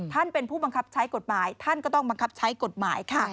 ท่านเป็นผู้บังคับใช้กฎหมายท่านก็ต้องบังคับใช้กฎหมายค่ะ